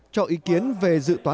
cho ý kiến về dự toán